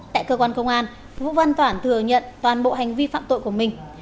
tại cơ quan công an vũ văn toản thừa nhận toàn bộ hành vi phạm tội của mình